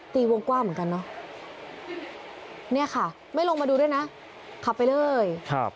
ถอย